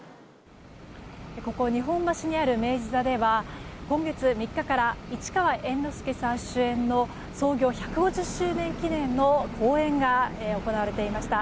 日本橋にある明治座では今月３日から市川猿之助さん主演の創業１５０周年記念の公演が行われていました。